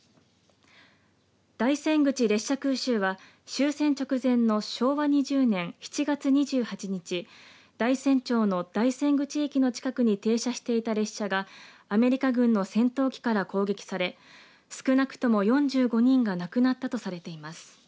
大山口列車空襲は終戦直前の昭和２０年７月２８日大山町の大山口駅の近くに停車していた列車がアメリカ軍の戦闘機から攻撃され少なくとも４５人が亡くなったとされています。